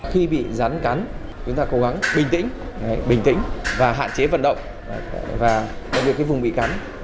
khi bị rắn cắn chúng ta cố gắng bình tĩnh bình tĩnh và hạn chế vận động và đặc biệt cái vùng bị cắn